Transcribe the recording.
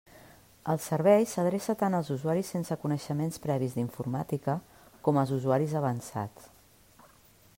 El servei s'adreça tant als usuaris sense coneixements previs d'informàtica, com als usuaris avançats.